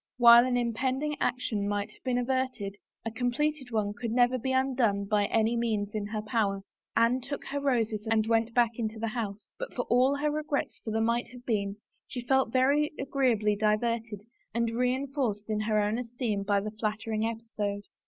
While an impending action might have been averted, a completed one could never be undone by any means in her power. Anne took her roses and 41 U THE FAVOR OF KINGS went back into the house, but for all her regrets for the might have been she felt very agreeably diverted and reenforced in her own esteem by the flattering episode.